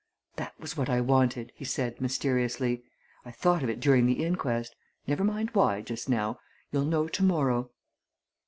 "That was what I wanted!" he said mysteriously. "I thought of it during the inquest. Never mind why, just now you shall know tomorrow."